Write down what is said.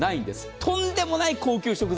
とんでもない高級食材。